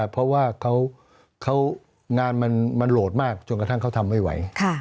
เพราะว่างานมันโหลดมากจนกระทั่งเขาทำไม่ไหว